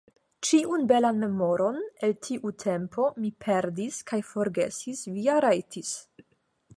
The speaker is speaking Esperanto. Ĉiun belan memoron el tiu tempo mi perdis kaj forgesis vi ja rajtis.